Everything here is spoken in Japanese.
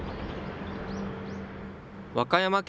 和歌山県